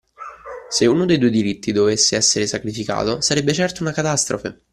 Se uno dei due diritti dovesse essere sacrificato, sarebbe certo una catastrofe.